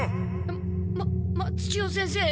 ま松千代先生！